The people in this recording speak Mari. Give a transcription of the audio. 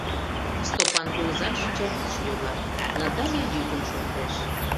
Стопан кугызан шинчавӱдшӧ йога, Натале йӱкын шортеш.